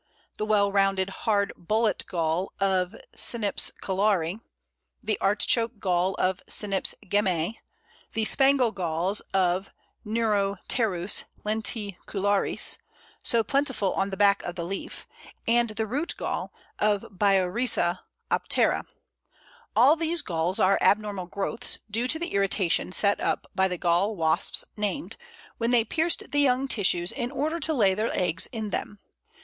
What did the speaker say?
the well rounded hard Bullet gall of Cynips kollari, the Artichoke gall of Cynips gemmæ, the Spangle galls of Neuroterus lenticularis, so plentiful on the back of the leaf, and the Root gall of Biorhiza aptera. All these galls are abnormal growths, due to the irritation set up by the Gall wasps named, when they pierced the young tissues in order to lay their eggs in them.